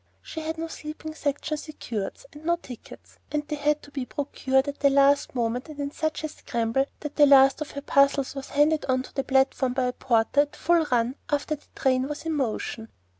She had no sleeping section secured and no tickets, and they had to be procured at the last moment and in such a scramble that the last of her parcels was handed on to the platform by a porter, at full run, after the train was in motion.